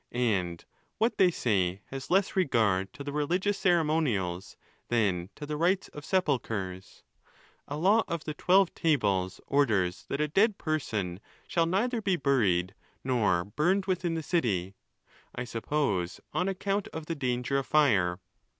And what they say has less regard. to the religious ceremonials than to the rights of sepulchres. A law of the Twelve Tables orders that a dead person shall neither be buried nor burned within the city, 1 suppose on account of the danger of fire.